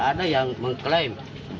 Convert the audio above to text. tidak ada yang mengklaim